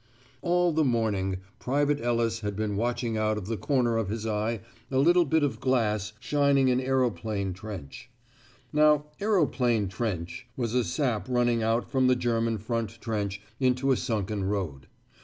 All the morning Private Ellis had been watching out of the corner of his eye a little bit of glass shining in Aeroplane Trench. Now Aeroplane Trench (as you will also see from the map) was a sap running out from the German front trench into a sunken road.